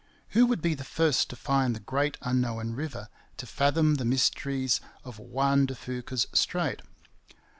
Who would be first to find the great unknown river, to fathom the mysteries of Juan de Fuca's strait?